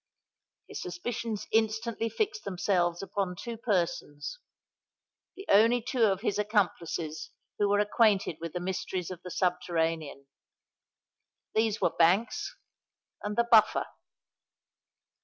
His suspicions instantly fixed themselves upon two persons—the only two of his accomplices who were acquainted with the mysteries of the subterranean. These were Banks and the Buffer.